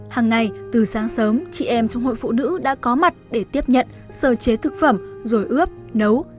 hàng ngày từ sáng sớm chị em trong hội phụ nữ đã có mặt để tiếp nhận sơ chế thực phẩm rồi ướp nấu